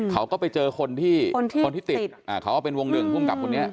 เขาก็ไปเจอคนที่ติดเขาว่าเป็นวงหนึ่งผู้กำกับคนนี้